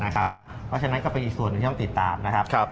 เพราะฉะนั้นก็เป็นอีกส่วนหนึ่งที่ต้องติดตามนะครับ